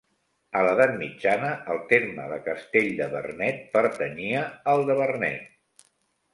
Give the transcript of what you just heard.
A l'Edat Mitjana, el terme de Castell de Vernet pertanyia al de Vernet.